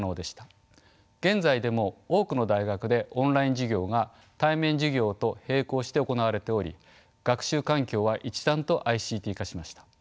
現在でも多くの大学でオンライン授業が対面授業と並行して行われており学習環境は一段とＩＣＴ化しました。